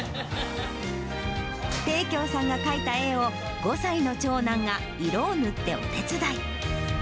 貞鏡さんが描いた絵を５歳の長男が色を塗ってお手伝い。